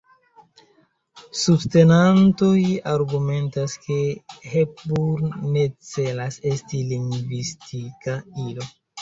Subtenantoj argumentas ke Hepburn ne celas esti lingvistika ilo.